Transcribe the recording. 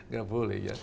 gak boleh ya